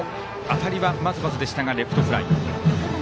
当たりはまずまずでしたがレフトフライ。